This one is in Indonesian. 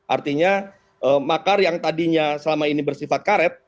artinya makar yang tadinya selama ini bersifat karet